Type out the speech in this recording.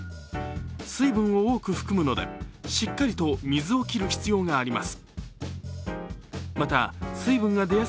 水分を多く含むのでしっかりと水を切る必要があります。